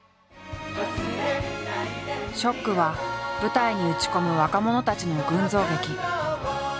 「ＳＨＯＣＫ」は舞台に打ち込む若者たちの群像劇。